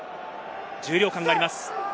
重量感があります。